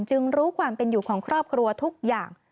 รู้ความเป็นอยู่ของครอบครัวทุกอย่าง